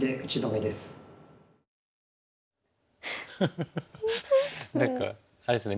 フフフ何かあれですね。